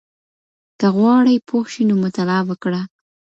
که غواړې پوه شې نو مطالعه وکړه.